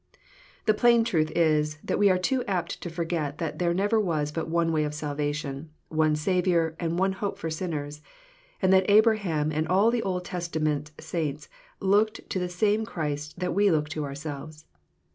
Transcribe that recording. The plain truth is, that we are too apt to forget that there never was but one way of salvation, one Saviour, and one hope for sinners, and that Abraham and all the Old Testaments saints looked to the same Christ that we look to ourselves.